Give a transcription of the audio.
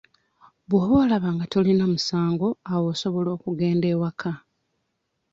Bw'oba olaba nga tolina musango awo osobola okugenda ewaka.